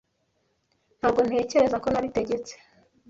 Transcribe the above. Ntabwo ntekereza ko nabitegetse.